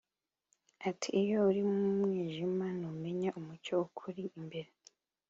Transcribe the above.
Ati “iyo uri mu mwijima ntumenya umucyo ukuri imbere